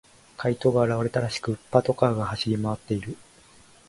怪盗が現れたらしく、パトカーが走り回っている。